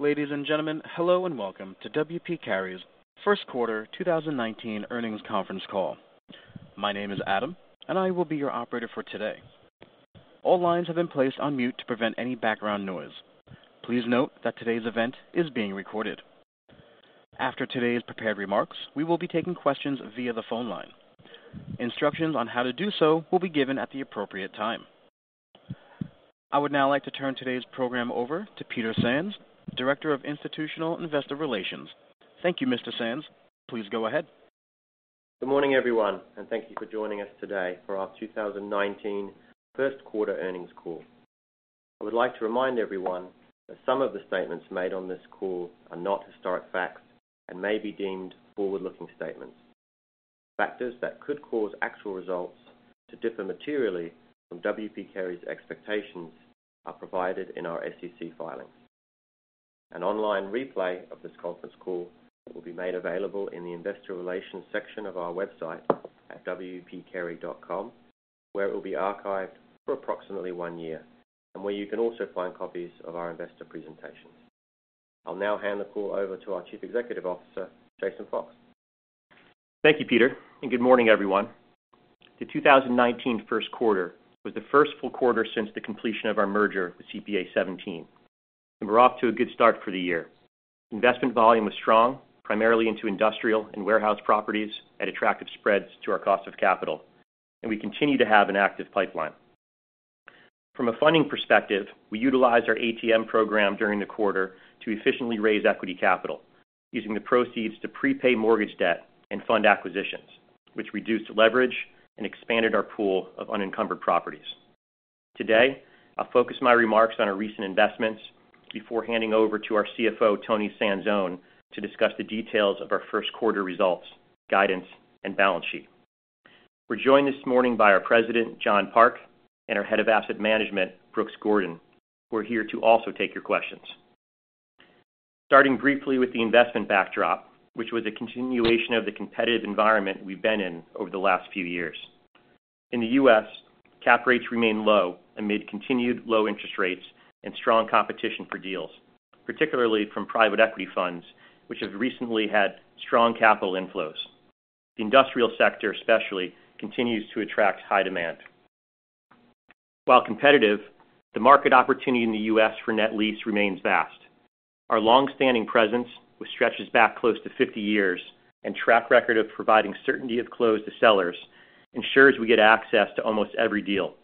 Ladies and gentlemen, hello and welcome to W. P. Carey's first quarter 2019 earnings conference call. My name is Adam, and I will be your operator for today. All lines have been placed on mute to prevent any background noise. Please note that today's event is being recorded. After today's prepared remarks, we will be taking questions via the phone line. Instructions on how to do so will be given at the appropriate time. I would now like to turn today's program over to Peter Sands, Director of Institutional Investor Relations. Thank you, Mr. Sands. Please go ahead. Good morning, everyone, and thank you for joining us today for our 2019 first quarter earnings call. I would like to remind everyone that some of the statements made on this call are not historic facts and may be deemed forward-looking statements. Factors that could cause actual results to differ materially from W. P. Carey's expectations are provided in our SEC filings. An online replay of this conference call will be made available in the investor relations section of our website at wpcarey.com, where it will be archived for approximately one year, and where you can also find copies of our investor presentations. I will now hand the call over to our Chief Executive Officer, Jason Fox. Thank you, Peter, and good morning, everyone. The 2019 first quarter was the first full quarter since the completion of our merger with CPA:17, and we are off to a good start for the year. Investment volume was strong, primarily into industrial and warehouse properties at attractive spreads to our cost of capital, and we continue to have an active pipeline. From a funding perspective, we utilized our ATM program during the quarter to efficiently raise equity capital, using the proceeds to prepay mortgage debt and fund acquisitions, which reduced leverage and expanded our pool of unencumbered properties. Today, I will focus my remarks on our recent investments before handing over to our CFO, Toni Sanzone, to discuss the details of our first quarter results, guidance, and balance sheet. We are joined this morning by our President, John Park, and our Head of Asset Management, Brooks Gordon, who are here to also take your questions. Starting briefly with the investment backdrop, which was a continuation of the competitive environment we have been in over the last few years. In the U.S., cap rates remain low amid continued low interest rates and strong competition for deals, particularly from private equity funds, which have recently had strong capital inflows. The industrial sector especially continues to attract high demand. While competitive, the market opportunity in the U.S. for net lease remains vast. Our long-standing presence, which stretches back close to 50 years, and track record of providing certainty of close to sellers ensures we get access to almost every deal.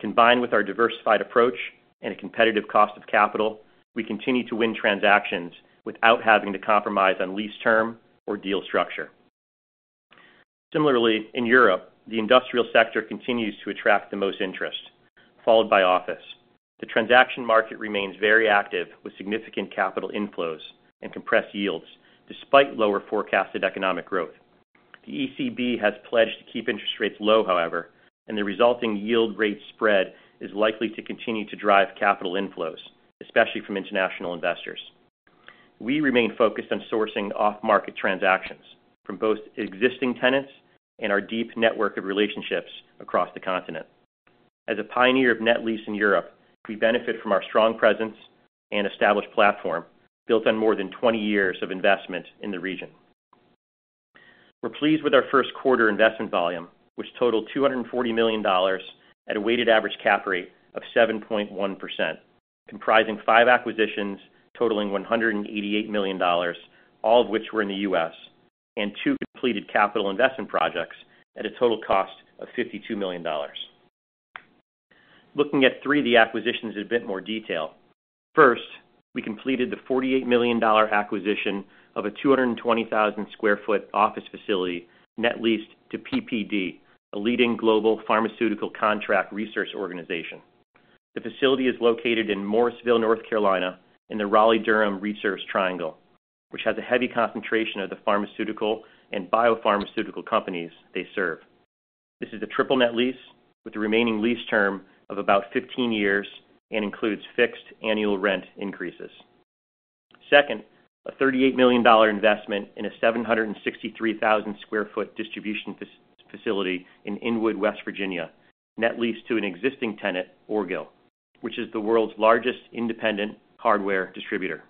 Combined with our diversified approach and a competitive cost of capital, we continue to win transactions without having to compromise on lease term or deal structure. Similarly, in Europe, the industrial sector continues to attract the most interest, followed by office. The transaction market remains very active, with significant capital inflows and compressed yields, despite lower forecasted economic growth. The ECB has pledged to keep interest rates low, however, and the resulting yield rate spread is likely to continue to drive capital inflows, especially from international investors. We remain focused on sourcing off-market transactions from both existing tenants and our deep network of relationships across the continent. As a pioneer of net lease in Europe, we benefit from our strong presence and established platform, built on more than 20 years of investment in the region. We're pleased with our first quarter investment volume, which totaled $240 million at a weighted average cap rate of 7.1%, comprising five acquisitions totaling $188 million, all of which were in the U.S., and two completed capital investment projects at a total cost of $52 million. Looking at three of the acquisitions in a bit more detail. First, we completed the $48 million acquisition of a 220,000 sq ft office facility net leased to PPD, a leading global pharmaceutical contract research organization. The facility is located in Morrisville, North Carolina, in the Raleigh-Durham Research Triangle, which has a heavy concentration of the pharmaceutical and biopharmaceutical companies they serve. This is a triple net lease with a remaining lease term of about 15 years and includes fixed annual rent increases. Second, a $38 million investment in a 763,000 sq ft distribution facility in Inwood, West Virginia, net leased to an existing tenant, Orgill, which is the world's largest independent hardware distributor.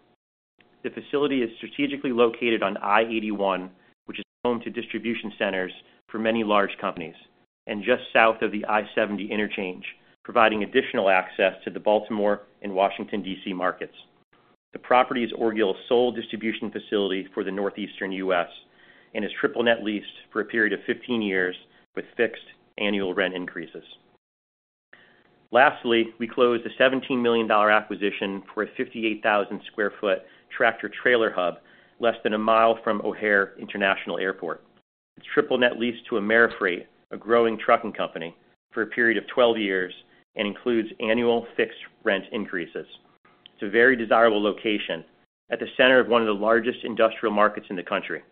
The facility is strategically located on I-81, which is home to distribution centers for many large companies, and just south of the I-70 interchange, providing additional access to the Baltimore and Washington, D.C. markets. The property is Orgill's sole distribution facility for the northeastern U.S. and is triple net leased for a period of 15 years with fixed annual rent increases. Lastly, we closed a $17 million acquisition for a 58,000 sq ft tractor-trailer hub less than a mile from O'Hare International Airport. It's triple net leased to AmeriFreight, a growing trucking company, for a period of 12 years and includes annual fixed rent increases. It's a very desirable location at the center of one of the largest industrial markets in the country.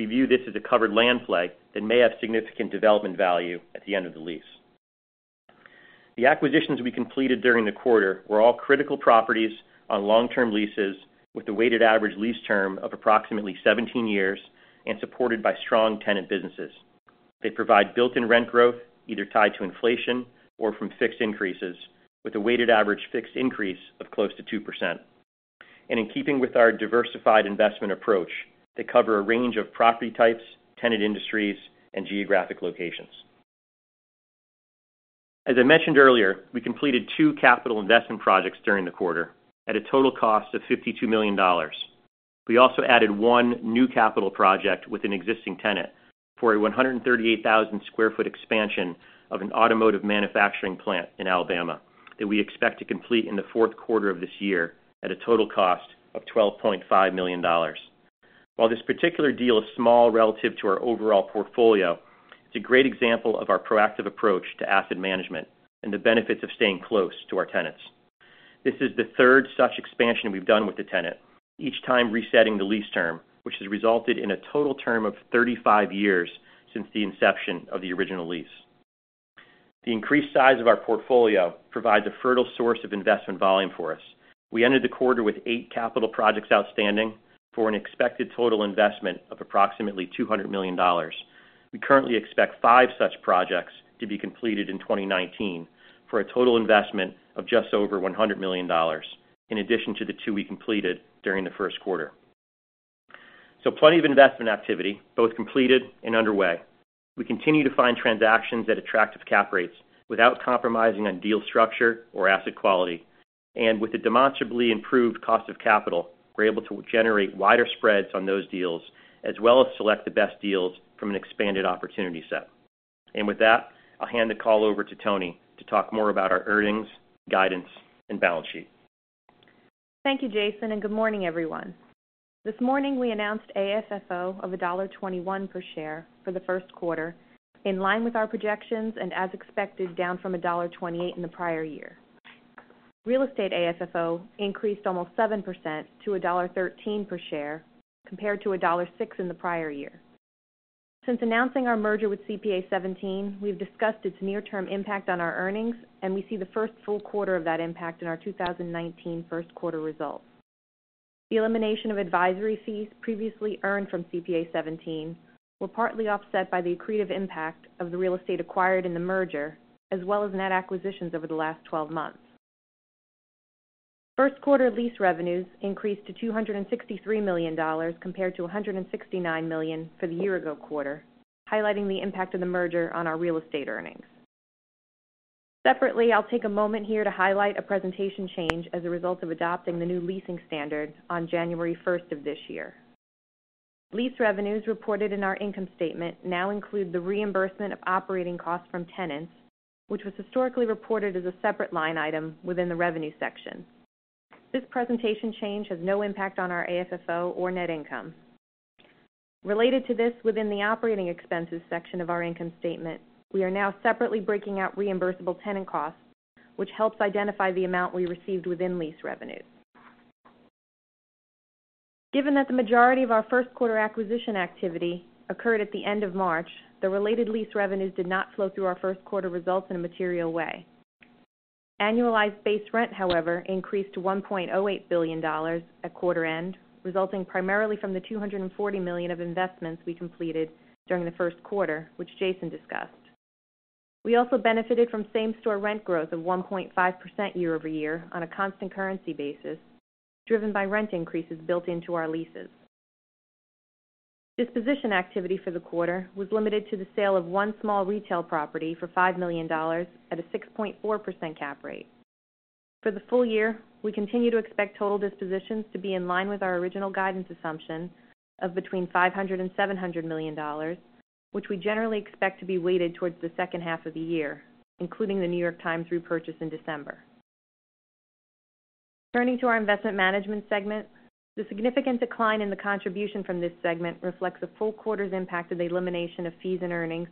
We view this as a covered land flag that may have significant development value at the end of the lease. The acquisitions we completed during the quarter were all critical properties on long-term leases with a weighted average lease term of approximately 17 years and supported by strong tenant businesses. They provide built-in rent growth, either tied to inflation or from fixed increases, with a weighted average fixed increase of close to 2%. In keeping with our diversified investment approach, they cover a range of property types, tenant industries, and geographic locations. As I mentioned earlier, we completed two capital investment projects during the quarter at a total cost of $52 million. We also added one new capital project with an existing tenant for a 138,000 sq ft expansion of an automotive manufacturing plant in Alabama that we expect to complete in the fourth quarter of this year at a total cost of $12.5 million. While this particular deal is small relative to our overall portfolio, it's a great example of our proactive approach to asset management and the benefits of staying close to our tenants. This is the third such expansion we've done with the tenant, each time resetting the lease term, which has resulted in a total term of 35 years since the inception of the original lease. The increased size of our portfolio provides a fertile source of investment volume for us. We ended the quarter with eight capital projects outstanding for an expected total investment of approximately $200 million. We currently expect five such projects to be completed in 2019, for a total investment of just over $100 million, in addition to the two we completed during the first quarter. Plenty of investment activity, both completed and underway. We continue to find transactions at attractive cap rates without compromising on deal structure or asset quality. With the demonstrably improved cost of capital, we're able to generate wider spreads on those deals, as well as select the best deals from an expanded opportunity set. With that, I'll hand the call over to Toni to talk more about our earnings, guidance, and balance sheet. Thank you, Jason, and good morning, everyone. This morning, we announced AFFO of $1.21 per share for the first quarter, in line with our projections and as expected, down from $1.28 in the prior year. Real estate AFFO increased almost 7% to $1.13 per share, compared to $1.06 in the prior year. Since announcing our merger with CPA:17, we've discussed its near-term impact on our earnings, and we see the first full quarter of that impact in our 2019 first quarter results. The elimination of advisory fees previously earned from CPA:17 were partly offset by the accretive impact of the real estate acquired in the merger, as well as net acquisitions over the last 12 months. First quarter lease revenues increased to $263 million compared to $169 million for the year ago quarter, highlighting the impact of the merger on our real estate earnings. Separately, I'll take a moment here to highlight a presentation change as a result of adopting the new leasing standard on January 1st of this year. Lease revenues reported in our income statement now include the reimbursement of operating costs from tenants, which was historically reported as a separate line item within the revenue section. This presentation change has no impact on our AFFO or net income. Related to this, within the operating expenses section of our income statement, we are now separately breaking out reimbursable tenant costs, which helps identify the amount we received within lease revenues. Given that the majority of our first quarter acquisition activity occurred at the end of March, the related lease revenues did not flow through our first quarter results in a material way. Annualized base rent, however, increased to $1.08 billion at quarter end, resulting primarily from the $240 million of investments we completed during the first quarter, which Jason discussed. We also benefited from same-store rent growth of 1.5% year-over-year on a constant currency basis, driven by rent increases built into our leases. Disposition activity for the quarter was limited to the sale of one small retail property for $5 million at a 6.4% cap rate. For the full year, we continue to expect total dispositions to be in line with our original guidance assumption of between $500 million and $700 million, which we generally expect to be weighted towards the second half of the year, including The New York Times repurchase in December. Turning to our investment management segment, the significant decline in the contribution from this segment reflects a full quarter's impact of the elimination of fees and earnings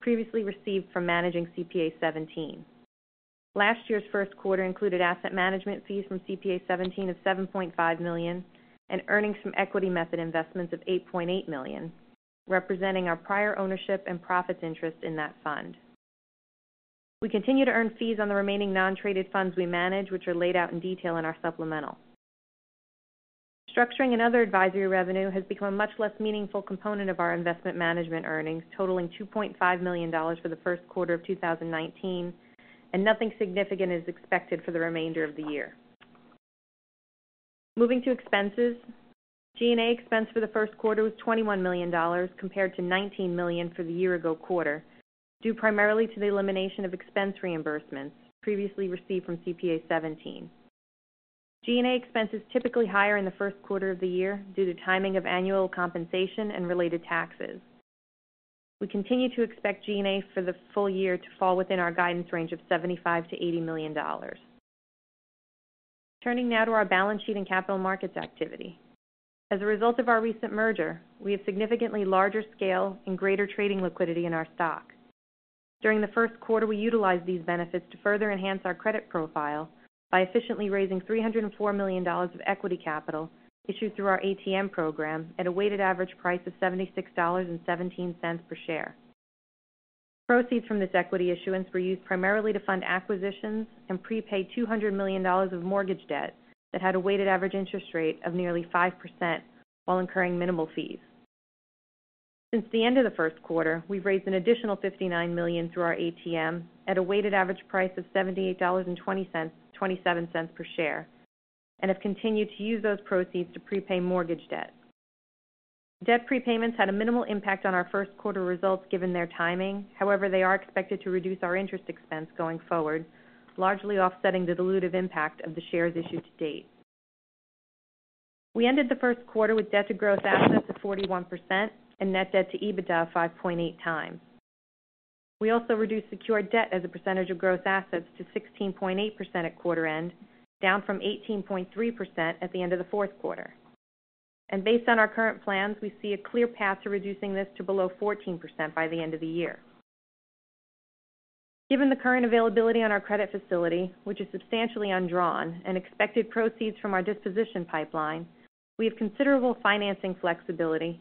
previously received from managing CPA:17. Last year's first quarter included asset management fees from CPA:17 of $7.5 million and earnings from equity method investments of $8.8 million, representing our prior ownership and profits interest in that fund. We continue to earn fees on the remaining non-traded funds we manage, which are laid out in detail in our supplemental. Structuring and other advisory revenue has become a much less meaningful component of our investment management earnings, totaling $2.5 million for the first quarter of 2019, and nothing significant is expected for the remainder of the year. Moving to expenses. G&A expense for the first quarter was $21 million, compared to $19 million for the year ago quarter, due primarily to the elimination of expense reimbursements previously received from CPA:17. G&A expense is typically higher in the first quarter of the year due to timing of annual compensation and related taxes. We continue to expect G&A for the full year to fall within our guidance range of $75 million-$80 million. During the first quarter, we utilized these benefits to further enhance our credit profile by efficiently raising $304 million of equity capital issued through our ATM program at a weighted average price of $76.17 per share. Proceeds from this equity issuance were used primarily to fund acquisitions and prepay $200 million of mortgage debt that had a weighted average interest rate of nearly 5% while incurring minimal fees. Since the end of the first quarter, we've raised an additional $59 million through our ATM at a weighted average price of $78.27 per share, and have continued to use those proceeds to prepay mortgage debt. Debt prepayments had a minimal impact on our first quarter results given their timing. However, they are expected to reduce our interest expense going forward, largely offsetting the dilutive impact of the shares issued to date. We ended the first quarter with debt to gross assets of 41% and net debt to EBITDA 5.8 times. We also reduced secured debt as a percentage of gross assets to 16.8% at quarter end, down from 18.3% at the end of the fourth quarter. Based on our current plans, we see a clear path to reducing this to below 14% by the end of the year. Given the current availability on our credit facility, which is substantially undrawn, and expected proceeds from our disposition pipeline, we have considerable financing flexibility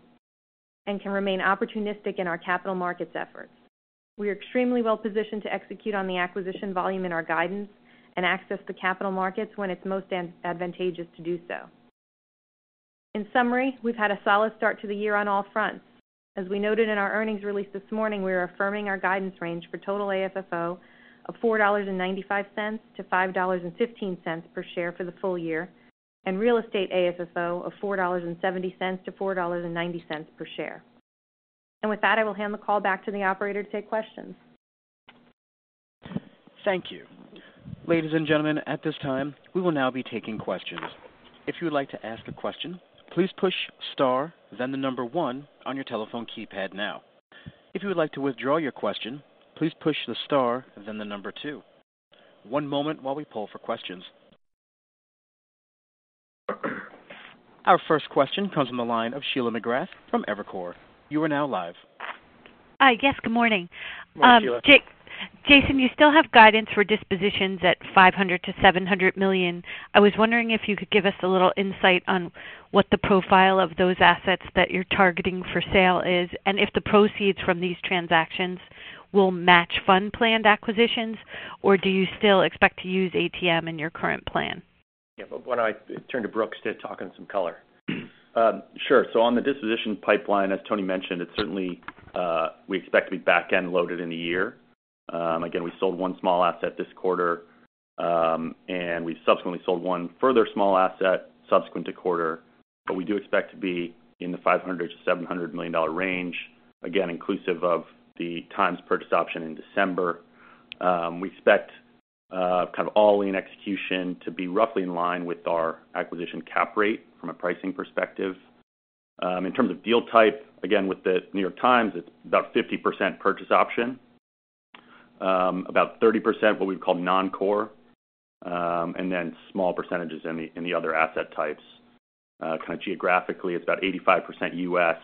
and can remain opportunistic in our capital markets efforts. We are extremely well-positioned to execute on the acquisition volume in our guidance and access to capital markets when it's most advantageous to do so. In summary, we've had a solid start to the year on all fronts. As we noted in our earnings release this morning, we are affirming our guidance range for total AFFO of $4.95 to $5.15 per share for the full year and real estate AFFO of $4.70 to $4.90 per share. With that, I will hand the call back to the operator to take questions. Thank you. Ladies and gentlemen, at this time, we will now be taking questions. If you would like to ask a question, please push star, then number 1 on your telephone keypad now. If you would like to withdraw your question, please push the star, then number 2. One moment while we poll for questions. Our first question comes from the line of Sheila McGrath from Evercore. You are now live. Hi, yes. Good morning. Morning, Sheila. Jason, you still have guidance for dispositions at $500 million-$700 million. I was wondering if you could give us a little insight on what the profile of those assets that you're targeting for sale is, and if the proceeds from these transactions will match fund planned acquisitions, or do you still expect to use ATM in your current plan? Yeah. Why don't I turn to Brooks to talk on some color? Sure. On the disposition pipeline, as Toni mentioned, it certainly we expect to be back-end loaded in the year. Again, we sold one small asset this quarter, and we subsequently sold one further small asset subsequent to quarter. We do expect to be in the $500 million-$700 million range, again, inclusive of the Times purchase option in December. We expect kind of all-in execution to be roughly in line with our acquisition cap rate from a pricing perspective. In terms of deal type, again, with The New York Times, it's about 50% purchase option, about 30% what we'd call non-core, and then small percentages in the other asset types. Kind of geographically, it's about 85% U.S.,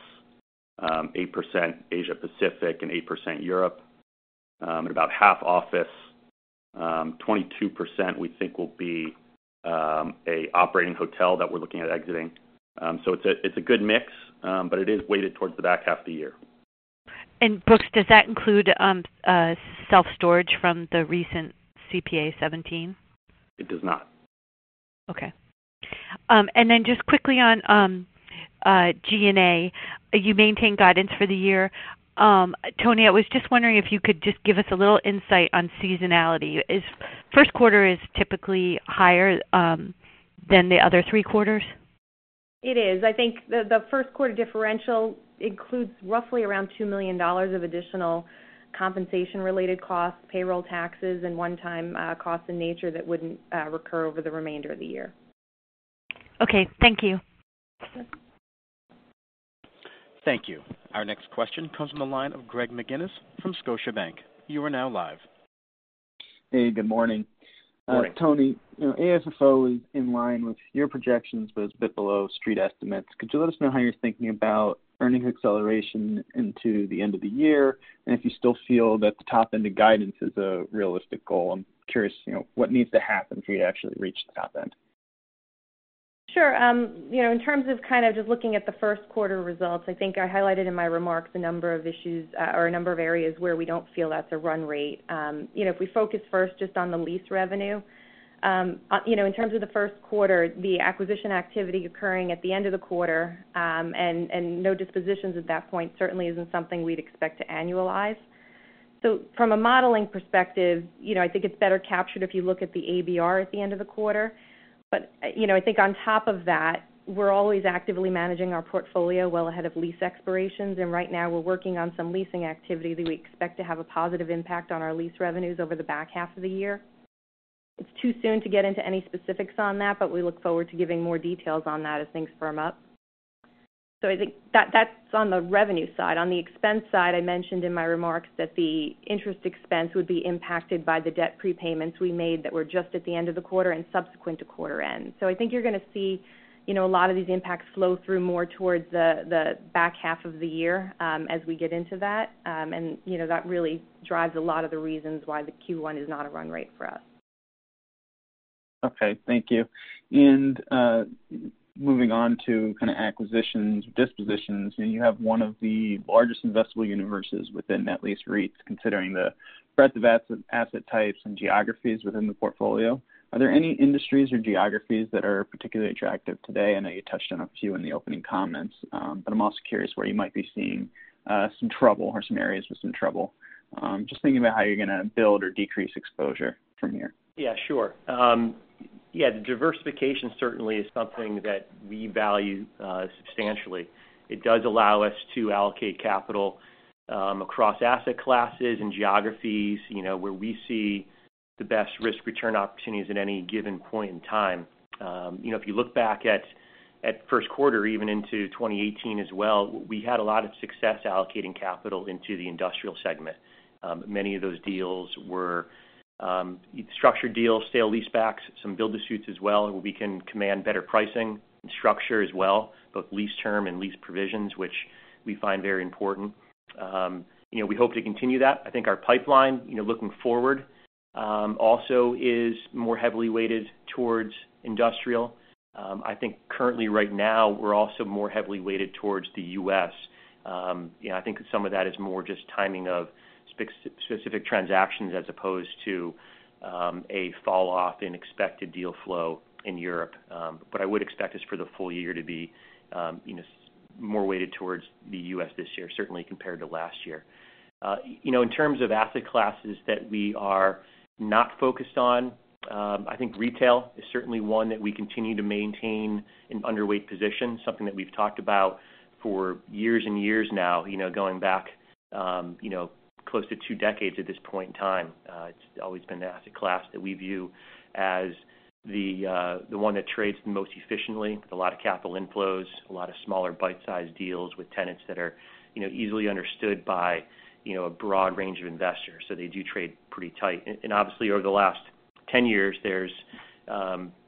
8% Asia Pacific, and 8% Europe, and about half office. 22% we think will be an operating hotel that we're looking at exiting. It's a good mix, but it is weighted towards the back half of the year. Brooks, does that include self-storage from the recent CPA:17? It does not. Okay. Then just quickly on G&A, you maintained guidance for the year. Toni, I was just wondering if you could just give us a little insight on seasonality. Is first quarter typically higher than the other three quarters? It is. I think the first quarter differential includes roughly around $2 million of additional compensation related costs, payroll taxes, and one-time costs in nature that wouldn't recur over the remainder of the year. Okay. Thank you. Sure. Thank you. Our next question comes from the line of Greg McGinniss from Scotiabank. You are now live. Hey, good morning. Morning. Toni, AFFO is in line with your projections, but it's a bit below street estimates. Could you let us know how you're thinking about earnings acceleration into the end of the year, and if you still feel that the top end of guidance is a realistic goal? I'm curious what needs to happen for you to actually reach the top end. Sure. In terms of kind of just looking at the first quarter results, I think I highlighted in my remarks a number of issues or a number of areas where we don't feel that's a run rate. If we focus first just on the lease revenue, in terms of the first quarter, the acquisition activity occurring at the end of the quarter, and no dispositions at that point certainly isn't something we'd expect to annualize. From a modeling perspective, I think it's better captured if you look at the ABR at the end of the quarter. I think on top of that, we're always actively managing our portfolio well ahead of lease expirations. Right now we're working on some leasing activity that we expect to have a positive impact on our lease revenues over the back half of the year. It's too soon to get into any specifics on that, but we look forward to giving more details on that as things firm up. I think that's on the revenue side. On the expense side, I mentioned in my remarks that the interest expense would be impacted by the debt prepayments we made that were just at the end of the quarter and subsequent to quarter end. I think you're going to see a lot of these impacts flow through more towards the back half of the year as we get into that. That really drives a lot of the reasons why the Q1 is not a run rate for us. Okay. Thank you. Moving on to kind of acquisitions, dispositions. You have one of the largest investable universes within net lease REITs, considering the breadth of asset types and geographies within the portfolio. Are there any industries or geographies that are particularly attractive today? I know you touched on a few in the opening comments, but I'm also curious where you might be seeing some trouble or some areas with some trouble. Just thinking about how you're going to build or decrease exposure from here. The diversification certainly is something that we value substantially. It does allow us to allocate capital across asset classes and geographies, where we see the best risk-return opportunities at any given point in time. If you look back at first quarter, even into 2018 as well, we had a lot of success allocating capital into the industrial segment. Many of those deals were structured deals, sale leasebacks, some build-to-suits as well, where we can command better pricing and structure as well, both lease term and lease provisions, which we find very important. We hope to continue that. Our pipeline, looking forward, also is more heavily weighted towards industrial. Currently right now we're also more heavily weighted towards the U.S. Some of that is more just timing of specific transactions as opposed to a falloff in expected deal flow in Europe. I would expect us for the full year to be more weighted towards the U.S. this year, certainly compared to last year. In terms of asset classes that we are not focused on, retail is certainly one that we continue to maintain an underweight position. Something that we've talked about for years and years now, going back close to two decades at this point in time. It's always been the asset class that we view as the one that trades the most efficiently with a lot of capital inflows, a lot of smaller bite-sized deals with tenants that are easily understood by a broad range of investors, so they do trade pretty tight. Obviously over the last 10 years, there's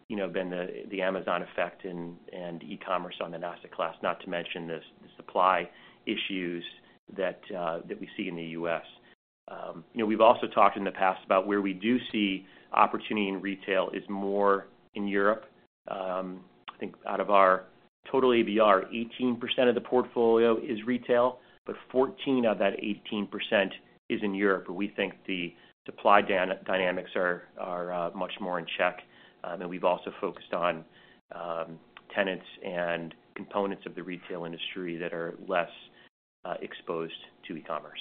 been the Amazon effect and e-commerce on an asset class. Not to mention the supply issues that we see in the U.S. We've also talked in the past about where we do see opportunity in retail is more in Europe. Out of our total ABR, 18% of the portfolio is retail, but 14% of that 18% is in Europe where we think the supply dynamics are much more in check. We've also focused on tenants and components of the retail industry that are less exposed to e-commerce.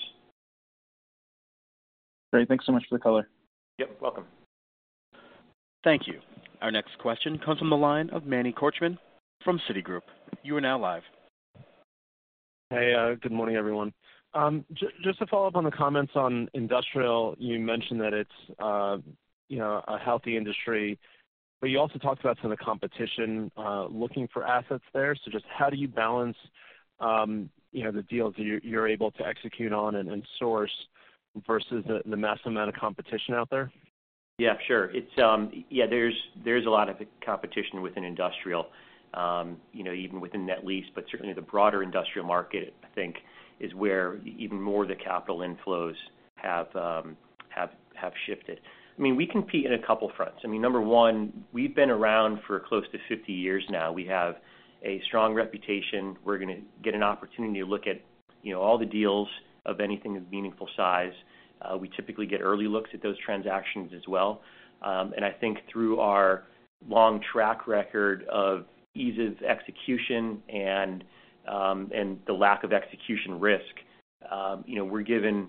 Great. Thanks so much for the color. Yep, welcome. Thank you. Our next question comes from the line of Manny Korchman from Citigroup. You are now live. Hey, good morning, everyone. Just to follow up on the comments on industrial, you mentioned that it's a healthy industry, but you also talked about some of the competition looking for assets there. Just how do you balance the deals you're able to execute on and source versus the mass amount of competition out there? Yeah, sure. There's a lot of competition within industrial even within net lease, but certainly the broader industrial market, I think, is where even more of the capital inflows have shifted. We compete in a couple fronts. Number one, we've been around for close to 50 years now. We have a strong reputation. We're going to get an opportunity to look at all the deals of anything of meaningful size. We typically get early looks at those transactions as well. I think through our long track record of ease of execution and the lack of execution risk, we're given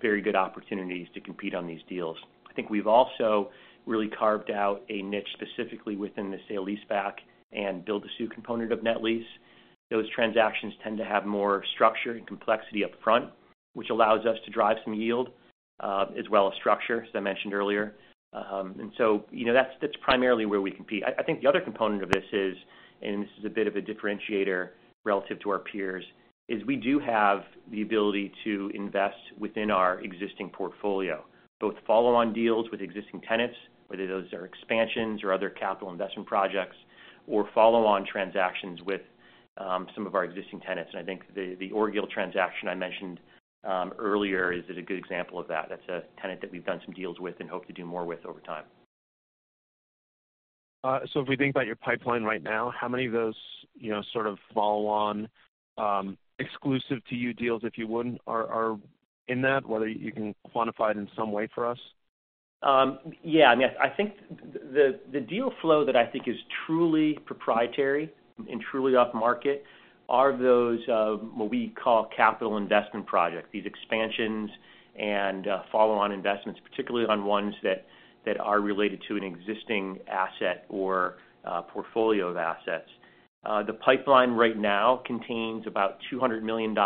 very good opportunities to compete on these deals. I think we've also really carved out a niche specifically within the sale leaseback and build-to-suit component of net lease. Those transactions tend to have more structure and complexity upfront, which allows us to drive some yield as well as structure, as I mentioned earlier. That's primarily where we compete. I think the other component of this is, and this is a bit of a differentiator relative to our peers, is we do have the ability to invest within our existing portfolio, both follow-on deals with existing tenants, whether those are expansions or other capital investment projects, or follow-on transactions with some of our existing tenants. I think the Orgill transaction I mentioned earlier is a good example of that. That's a tenant that we've done some deals with and hope to do more with over time. If we think about your pipeline right now, how many of those sort of follow-on, exclusive-to-you deals, if you would, are in that? Whether you can quantify it in some way for us? The deal flow that I think is truly proprietary and truly off-market are those what we call capital investment projects. These expansions and follow-on investments, particularly on ones that are related to an existing asset or portfolio of assets. The pipeline right now contains about $200 million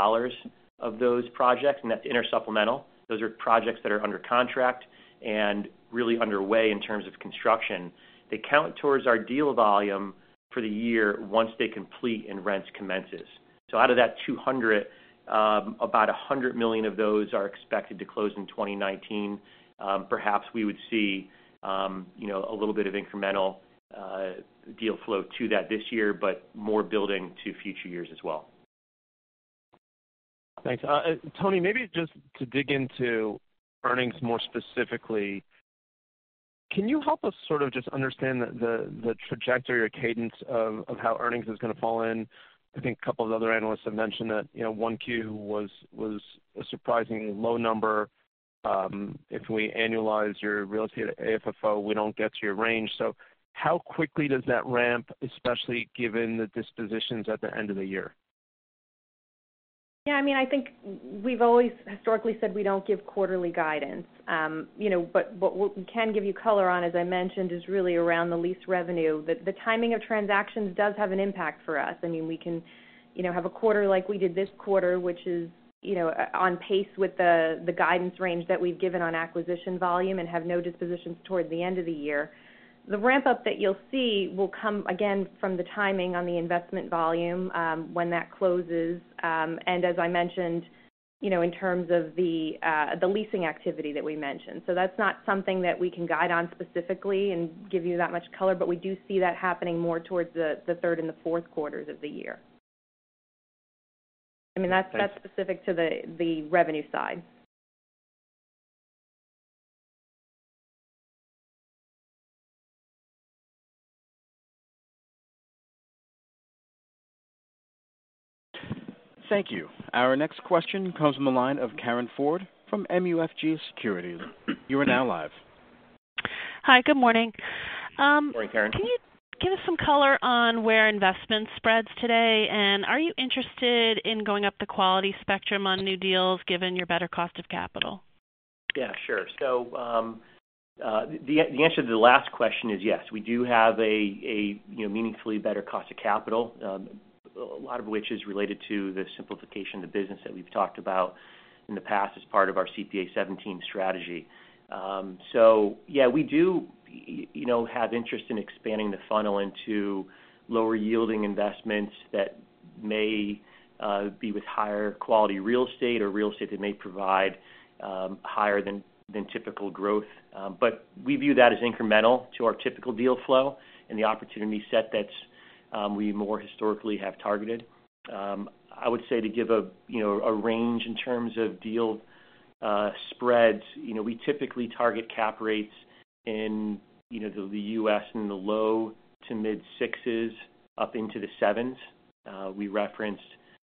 of those projects, and that's intersupplemental. Those are projects that are under contract and really underway in terms of construction. They count towards our deal volume for the year once they complete and rents commences. Out of that 200, about $100 million of those are expected to close in 2019. Perhaps we would see a little bit of incremental deal flow to that this year, but more building to future years as well. Thanks. Toni, maybe just to dig into earnings more specifically, can you help us sort of just understand the trajectory or cadence of how earnings is going to fall in? I think a couple of other analysts have mentioned that one Q was a surprisingly low number. If we annualize your real estate AFFO, we don't get to your range. How quickly does that ramp, especially given the dispositions at the end of the year? Yeah. I think we've always historically said we don't give quarterly guidance. What we can give you color on, as I mentioned, is really around the lease revenue. The timing of transactions does have an impact for us. We can have a quarter like we did this quarter, which is on pace with the guidance range that we've given on acquisition volume and have no dispositions towards the end of the year. The ramp-up that you'll see will come, again, from the timing on the investment volume, when that closes, and as I mentioned, in terms of the leasing activity that we mentioned. That's not something that we can guide on specifically and give you that much color, but we do see that happening more towards the third and the fourth quarters of the year. That's specific to the revenue side. Thank you. Our next question comes from the line of Karin Ford from MUFG Securities. You are now live. Hi, good morning. Morning, Karin. Can you give us some color on where investment spreads today? Are you interested in going up the quality spectrum on new deals, given your better cost of capital? Yeah, sure. The answer to the last question is yes. We do have a meaningfully better cost of capital, a lot of which is related to the simplification of the business that we've talked about in the past as part of our CPA:17 strategy. Yeah, we do have interest in expanding the funnel into lower-yielding investments that may be with higher-quality real estate or real estate that may provide higher than typical growth. We view that as incremental to our typical deal flow and the opportunity set that we more historically have targeted. I would say to give a range in terms of deal spreads. We typically target cap rates in the U.S. in the low to mid-sixes up into the sevens. We referenced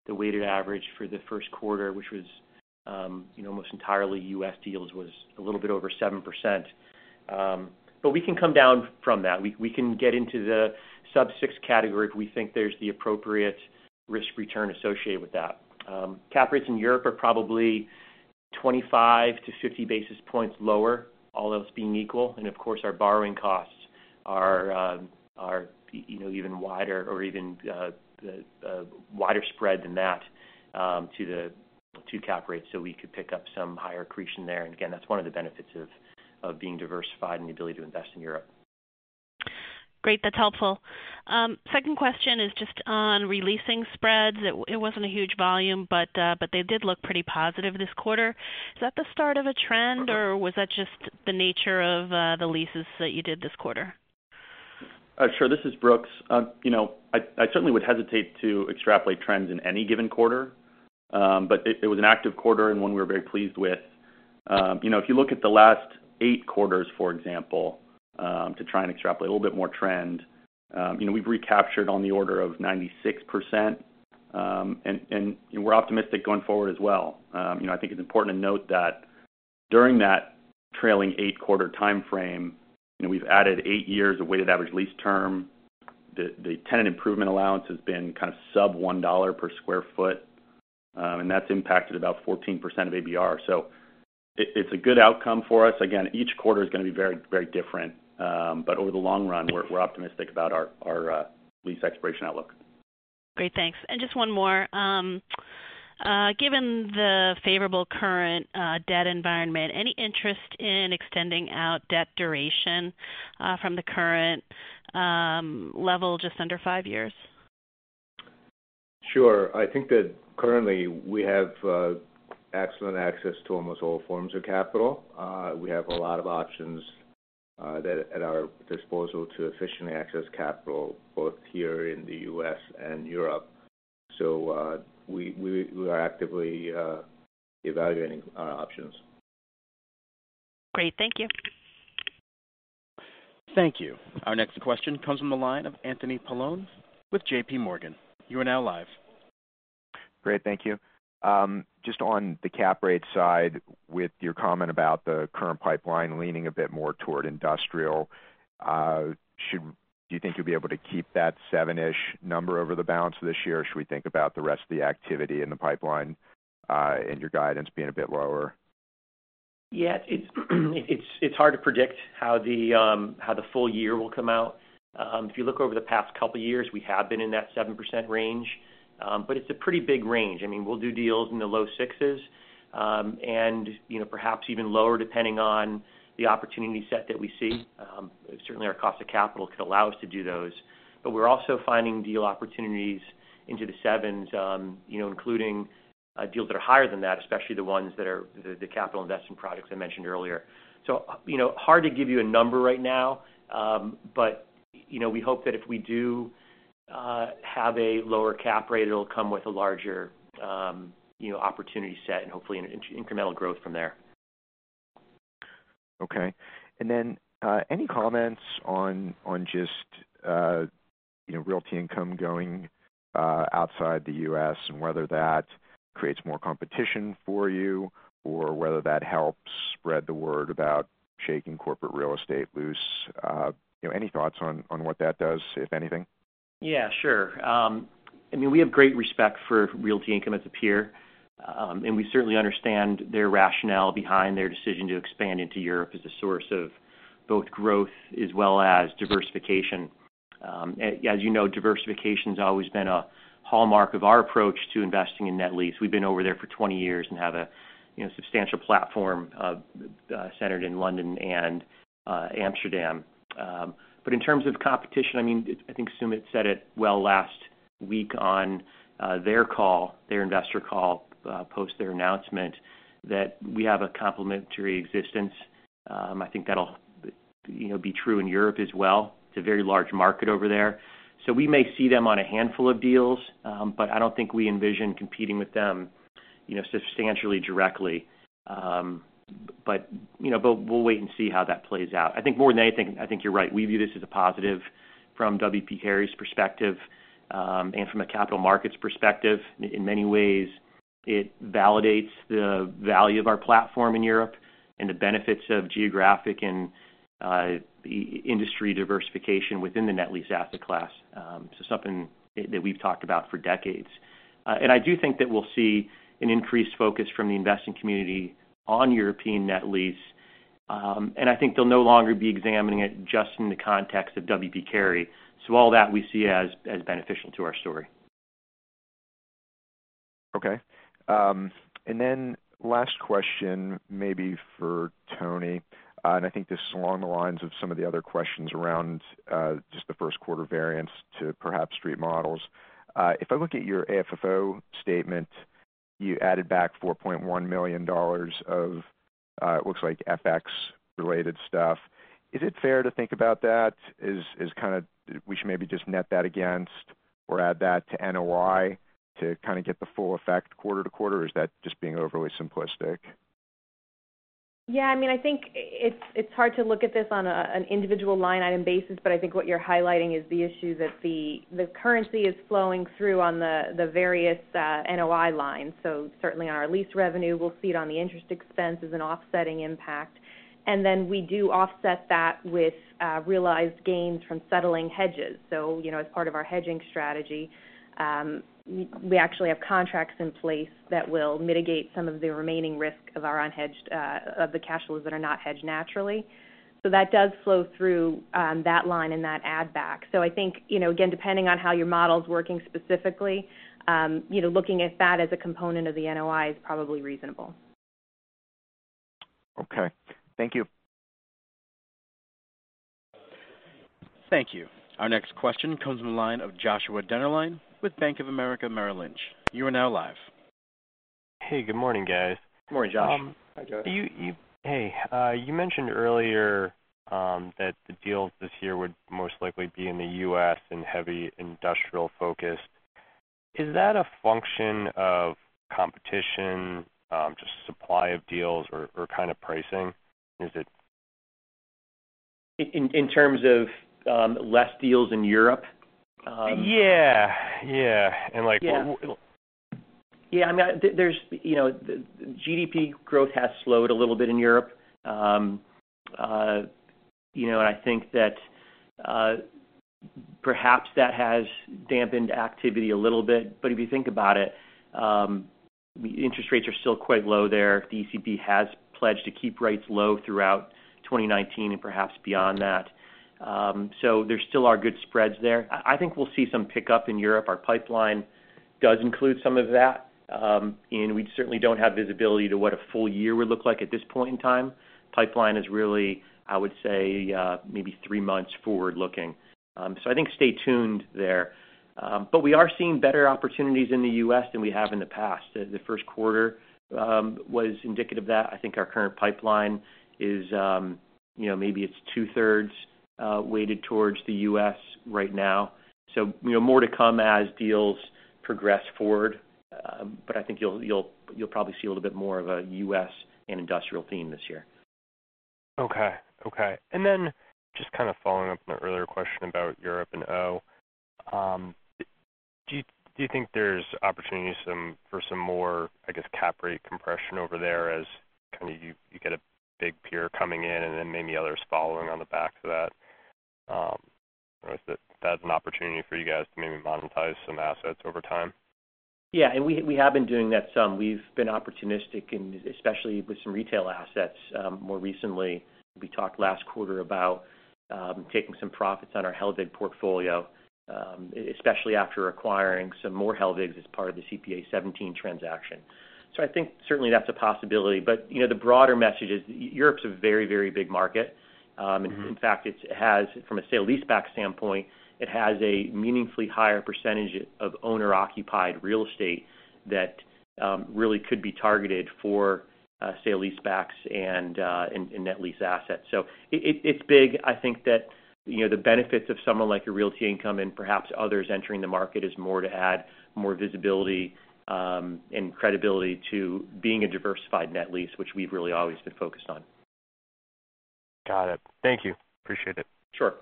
the weighted average for the first quarter, which was almost entirely U.S. deals, was a little bit over 7%. We can come down from that. We can get into the sub-six category if we think there's the appropriate risk-return associated with that. Cap rates in Europe are probably 25 to 50 basis points lower, all else being equal. Of course, our borrowing costs are even wider spread than that to cap rates. We could pick up some higher accretion there. Again, that's one of the benefits of being diversified and the ability to invest in Europe. Great. That's helpful. Second question is just on re-leasing spreads. It wasn't a huge volume, but they did look pretty positive this quarter. Is that the start of a trend, or was that just the nature of the leases that you did this quarter? Sure. This is Brooks. I certainly would hesitate to extrapolate trends in any given quarter. It was an active quarter and one we were very pleased with. If you look at the last 8 quarters, for example, to try and extrapolate a little bit more trend, we've recaptured on the order of 96%, and we're optimistic going forward as well. I think it's important to note that during that trailing 8-quarter timeframe, we've added 8 years of weighted average lease term. The tenant improvement allowance has been kind of sub $1 per sq ft, and that's impacted about 14% of ABR. It's a good outcome for us. Again, each quarter is going to be very different. Over the long run, we're optimistic about our lease expiration outlook. Great. Thanks. Just one more. Given the favorable current debt environment, any interest in extending out debt duration from the current level just under five years? Sure. I think that currently we have excellent access to almost all forms of capital. We have a lot of options at our disposal to efficiently access capital, both here in the U.S. and Europe. We are actively evaluating our options. Great. Thank you. Thank you. Our next question comes from the line of Anthony Paolone with JPMorgan. You are now live. Great. Thank you. Just on the cap rate side, with your comment about the current pipeline leaning a bit more toward industrial, do you think you'll be able to keep that seven-ish number over the balance of this year, or should we think about the rest of the activity in the pipeline and your guidance being a bit lower? Yeah. It's hard to predict how the full year will come out. If you look over the past couple of years, we have been in that 7% range. It's a pretty big range. We'll do deals in the low sixes, and perhaps even lower, depending on the opportunity set that we see. Certainly, our cost of capital could allow us to do those. We're also finding deal opportunities into the sevens, including deals that are higher than that, especially the ones that are the capital investment products I mentioned earlier. Hard to give you a number right now. We hope that if we do have a lower cap rate, it'll come with a larger opportunity set and hopefully an incremental growth from there. Okay. Any comments on just Realty Income going outside the U.S. and whether that creates more competition for you or whether that helps spread the word about shaking corporate real estate loose? Any thoughts on what that does, if anything? Yeah, sure. We have great respect for Realty Income as a peer. We certainly understand their rationale behind their decision to expand into Europe as a source of both growth as well as diversification. As you know, diversification's always been a hallmark of our approach to investing in net lease. We've been over there for 20 years and have a substantial platform centered in London and Amsterdam. In terms of competition, I think Sumit said it well last week on their call, their investor call post their announcement that we have a complementary existence. I think that'll be true in Europe as well. It's a very large market over there. We may see them on a handful of deals. I don't think we envision competing with them substantially directly. We'll wait and see how that plays out. I think more than anything, I think you're right. We view this as a positive from W. P. Carey's perspective, and from a capital markets perspective. In many ways, it validates the value of our platform in Europe and the benefits of geographic and industry diversification within the net lease asset class. Something that we've talked about for decades. I do think that we'll see an increased focus from the investing community on European net lease. I think they'll no longer be examining it just in the context of W. P. Carey. All that we see as beneficial to our story. Okay. Then last question maybe for Toni, and I think this is along the lines of some of the other questions around just the first quarter variance to perhaps street models. If I look at your AFFO statement, you added back $4.1 million of, it looks like FX related stuff. Is it fair to think about that as kind of, we should maybe just net that against or add that to NOI to kind of get the full effect quarter-to-quarter, or is that just being overly simplistic? Yeah, I think it's hard to look at this on an individual line item basis, but I think what you're highlighting is the issue that the currency is flowing through on the various NOI lines. Certainly on our lease revenue, we'll see it on the interest expense as an offsetting impact. Then we do offset that with realized gains from settling hedges. As part of our hedging strategy we actually have contracts in place that will mitigate some of the remaining risk of the cash flows that are not hedged naturally. That does flow through that line and that add back. I think, again, depending on how your model's working specifically, looking at that as a component of the NOI is probably reasonable. Okay. Thank you. Thank you. Our next question comes from the line of Joshua Dennerlein with Bank of America Merrill Lynch. You are now live. Hey, good morning, guys. Good morning, Josh. Hi, Josh. Hey. You mentioned earlier that the deals this year would most likely be in the U.S. and heavy industrial focused. Is that a function of competition, just supply of deals or kind of pricing? In terms of less deals in Europe? Yeah. Yeah. GDP growth has slowed a little bit in Europe. I think that perhaps that has dampened activity a little bit. If you think about it, interest rates are still quite low there. The ECB has pledged to keep rates low throughout 2019 and perhaps beyond that. There still are good spreads there. I think we'll see some pickup in Europe. Our pipeline does include some of that. We certainly don't have visibility to what a full year would look like at this point in time. Pipeline is really, I would say, maybe three months forward-looking. I think stay tuned there. We are seeing better opportunities in the U.S. than we have in the past. The first quarter was indicative of that. I think our current pipeline is maybe it's two-thirds weighted towards the U.S. right now. More to come as deals progress forward. I think you'll probably see a little bit more of a U.S. and industrial theme this year. Okay. Just kind of following up on an earlier question about Europe and O. Do you think there's opportunities for some more, I guess, cap rate compression over there as you get a big peer coming in and then maybe others following on the back of that? Or if that's an opportunity for you guys to maybe monetize some assets over time. We have been doing that some. We've been opportunistic and especially with some retail assets. More recently, we talked last quarter about taking some profits on our Hellweg portfolio, especially after acquiring some more Hellwegs as part of the CPA:17 transaction. I think certainly that's a possibility, but the broader message is Europe's a very, very big market. In fact, from a sale leaseback standpoint, it has a meaningfully higher percentage of owner-occupied real estate that really could be targeted for sale leasebacks and net lease assets. It's big. I think that the benefits of someone like a Realty Income and perhaps others entering the market is more to add more visibility and credibility to being a diversified net lease, which we've really always been focused on. Got it. Thank you. Appreciate it. Sure.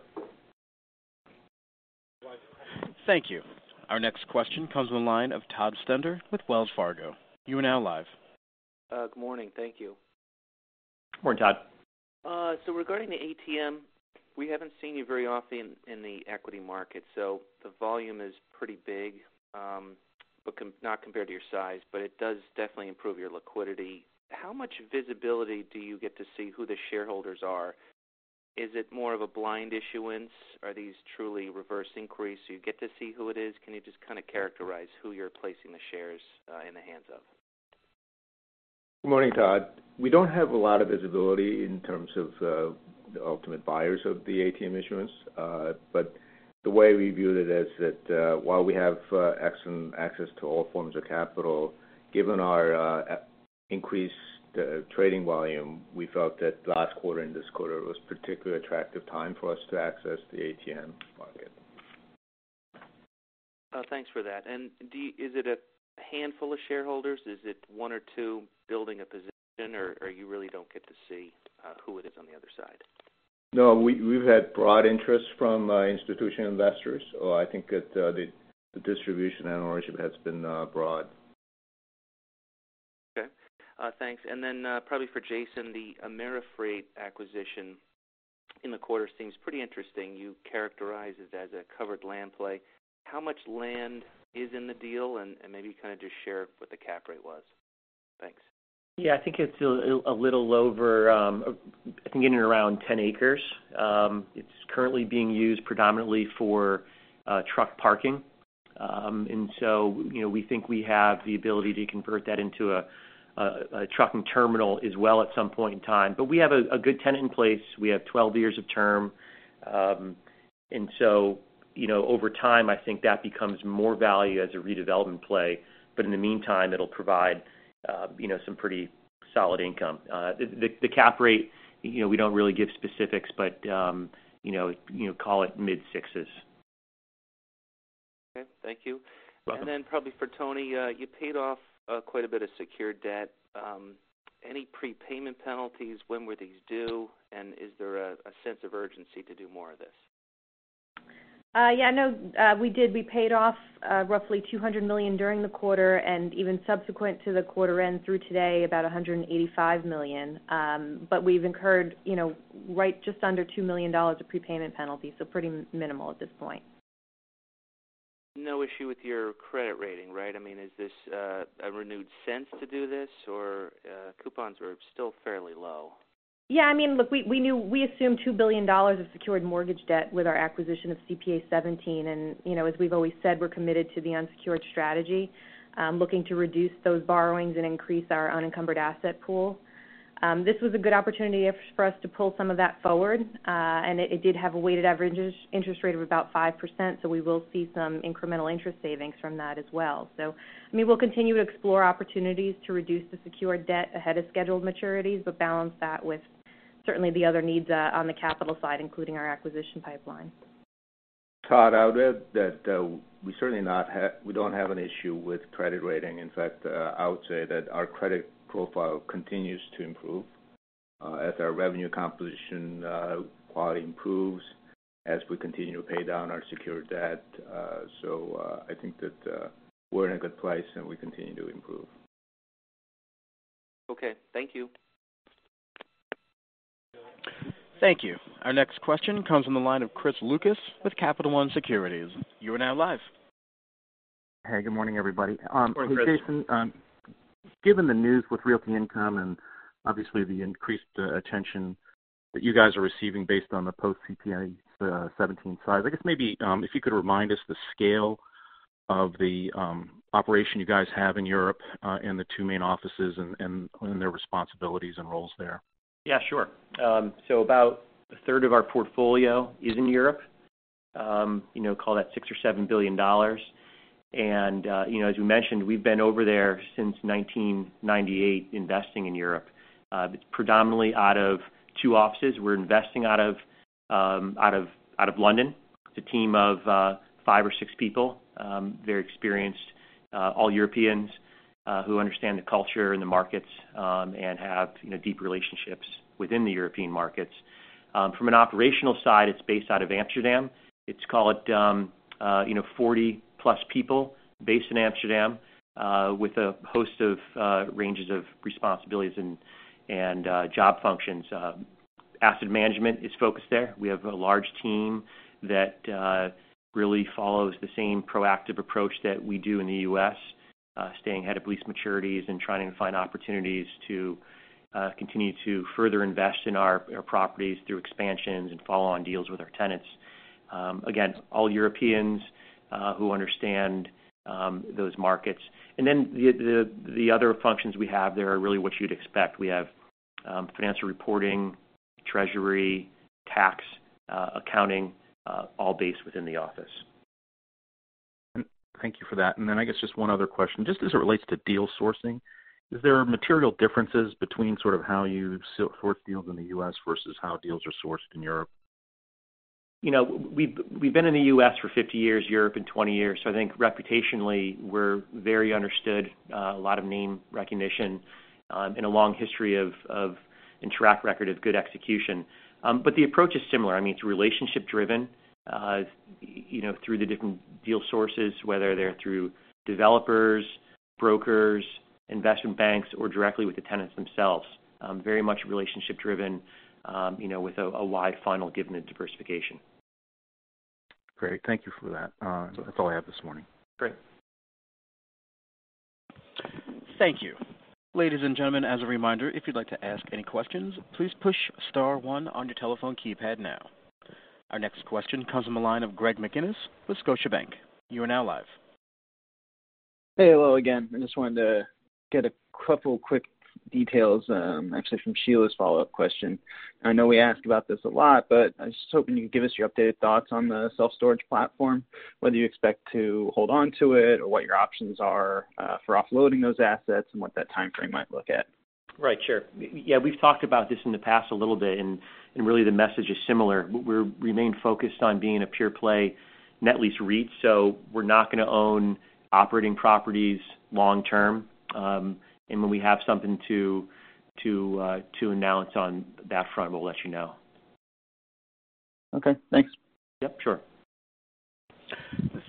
Thank you. Our next question comes on the line of Todd Stender with Wells Fargo. You are now live. Good morning. Thank you. Good morning, Todd. Regarding the ATM, we haven't seen you very often in the equity market. The volume is pretty big. Not compared to your size, but it does definitely improve your liquidity. How much visibility do you get to see who the shareholders are? Is it more of a blind issuance? Are these truly reverse inquiries? You get to see who it is? Can you just kind of characterize who you're placing the shares in the hands of? Good morning, Todd. We don't have a lot of visibility in terms of the ultimate buyers of the ATM issuance. The way we viewed it is that, while we have excellent access to all forms of capital, given our increased trading volume, we felt that last quarter and this quarter was particularly attractive time for us to access the ATM market. Thanks for that. Is it a handful of shareholders? Is it one or two building a position, or you really don't get to see who it is on the other side? No, we've had broad interest from institution investors. I think that the distribution and ownership has been broad. Okay. Thanks. Then, probably for Jason, the AmeriFreight acquisition in the quarter seems pretty interesting. You characterize it as a covered land play. How much land is in the deal? Maybe kind of just share what the cap rate was. Thanks. Yeah, it's a little over, I think in and around 10 acres. It's currently being used predominantly for truck parking. So, we think we have the ability to convert that into a trucking terminal as well at some point in time. We have a good tenant in place. We have 12 years of term. So, over time, I think that becomes more value as a redevelopment play. In the meantime, it'll provide some pretty solid income. The cap rate, we don't really give specifics, but call it mid-sixes. Okay. Thank you. Welcome. Then probably for Toni, you paid off quite a bit of secured debt. Any prepayment penalties? When were these due? Is there a sense of urgency to do more of this? We did. We paid off roughly $200 million during the quarter, and even subsequent to the quarter end through today, about $185 million. We've incurred just under $2 million of prepayment penalty, pretty minimal at this point. No issue with your credit rating, right? Is this a renewed sense to do this? Coupons are still fairly low. Look, we assumed $2 billion of secured mortgage debt with our acquisition of CPA:17, as we've always said, we're committed to the unsecured strategy, looking to reduce those borrowings and increase our unencumbered asset pool. This was a good opportunity for us to pull some of that forward. It did have a weighted average interest rate of about 5%, we will see some incremental interest savings from that as well. We'll continue to explore opportunities to reduce the secured debt ahead of scheduled maturities, balance that with certainly the other needs on the capital side, including our acquisition pipeline. Todd, I'll add that we don't have an issue with credit rating. In fact, I would say that our credit profile continues to improve as our revenue composition quality improves, as we continue to pay down our secured debt. I think that we're in a good place, we continue to improve. Okay. Thank you. Thank you. Our next question comes on the line of Chris Lucas with Capital One Securities. You are now live. Hey, good morning, everybody. Good morning, Chris. Jason, given the news with Realty Income and obviously the increased attention that you guys are receiving based on the post-CPA:17 size, I guess maybe, if you could remind us the scale of the operation you guys have in Europe, and the two main offices and their responsibilities and roles there. Yeah, sure. About a third of our portfolio is in Europe. Call that $6 billion-$7 billion. As we mentioned, we've been over there since 1998 investing in Europe. Predominantly out of two offices. We're investing out of London. It's a team of five or six people. Very experienced, all Europeans who understand the culture and the markets, and have deep relationships within the European markets. From an operational side, it's based out of Amsterdam. It's call it 40-plus people based in Amsterdam, with a host of ranges of responsibilities and job functions. Asset management is focused there. We have a large team that really follows the same proactive approach that we do in the U.S., staying ahead of lease maturities and trying to find opportunities to continue to further invest in our properties through expansions and follow-on deals with our tenants. Again, all Europeans who understand those markets. The other functions we have there are really what you'd expect. We have financial reporting, treasury, tax, accounting, all based within the office. Thank you for that. I guess just one other question, just as it relates to deal sourcing, is there material differences between sort of how you source deals in the U.S. versus how deals are sourced in Europe? We've been in the U.S. for 50 years, Europe in 20 years. I think reputationally, we're very understood, a lot of name recognition, and a long history of and track record of good execution. The approach is similar. It's relationship driven, through the different deal sources, whether they're through developers, brokers, investment banks, or directly with the tenants themselves. Very much relationship driven, with a wide funnel given the diversification. Great. Thank you for that. That's all I have this morning. Great. Thank you. Ladies and gentlemen, as a reminder, if you'd like to ask any questions, please push star one on your telephone keypad now. Our next question comes from the line of Greg McGinniss with Scotiabank. You are now live. Hey. Hello again. I just wanted to get a couple quick details, actually from Sheila's follow-up question. I know we ask about this a lot, but I was just hoping you could give us your updated thoughts on the self-storage platform, whether you expect to hold on to it or what your options are for offloading those assets and what that timeframe might look at. Right. Sure. Yeah, we've talked about this in the past a little bit. Really the message is similar. We remain focused on being a pure-play net lease REIT, so we're not going to own operating properties long term. When we have something to announce on that front, we'll let you know. Okay, thanks. Yep, sure.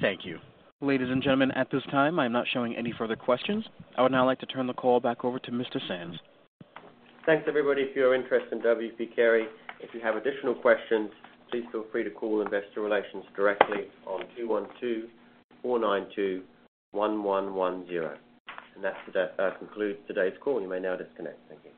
Thank you. Ladies and gentlemen, at this time, I'm not showing any further questions. I would now like to turn the call back over to Mr. Sands. Thanks, everybody, for your interest in W. P. Carey. If you have additional questions, please feel free to call investor relations directly on 212-492-1110. That concludes today's call. You may now disconnect. Thank you.